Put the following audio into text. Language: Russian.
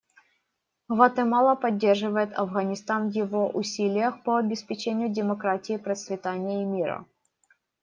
Гватемала поддерживает Афганистан в его усилиях по обеспечению демократии, процветания и мира.